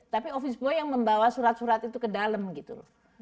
tapi office boy yang membawa surat surat itu ke dalam gitu loh